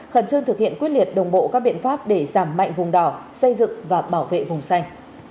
khẩn trương thực hiện quyết liệt đồng bộ các biện pháp để giảm mạnh vùng đỏ xây dựng và bảo vệ vùng xanh